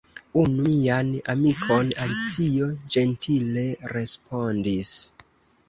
"Unu mian amikon," Alicio ĝentile respondis. "